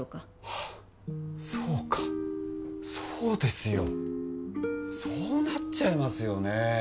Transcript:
あっそうかそうですよそうなっちゃいますよね